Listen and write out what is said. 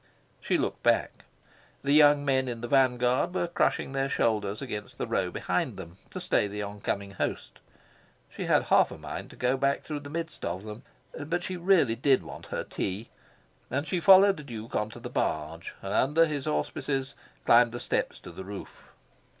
She looked back. The young men in the vanguard were crushing their shoulders against the row behind them, to stay the oncoming host. She had half a mind to go back through the midst of them; but she really did want her tea, and she followed the Duke on to the barge, and under his auspices climbed the steps to the roof.